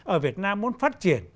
ở việt nam muốn phát triển